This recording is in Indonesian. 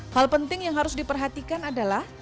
hal penting yang harus diperhatikan adalah